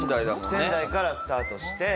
仙台からスタートして。